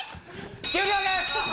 終了です。